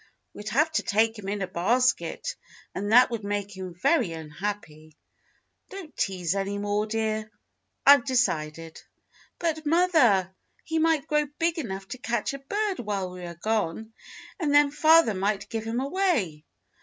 We'd have to take him in a basket, and that would make him very un happy. Don't tease any more, dear; I've decided." "But, mother, he might grow big enough to catch a bird while we were gone, and then father might give him away."